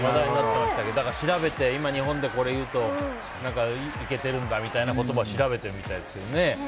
だから調べて今、これを日本で言うといけてるんだみたいな言葉を調べてるみたいですけど。